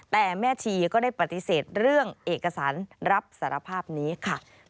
แต่แม่ชีก็ได้ปฏิเสธเรื่องเอกสารรับสารภาพนี้ค่ะ